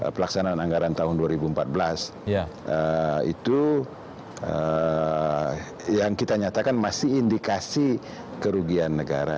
pelaksanaan anggaran tahun dua ribu empat belas itu yang kita nyatakan masih indikasi kerugian negara